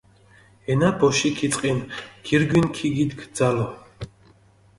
ენა ბოშიქ იწყინჷ, გირგვინი ქიგიდგჷ ძალო.